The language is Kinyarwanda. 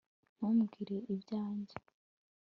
ntumbwire ibyanjye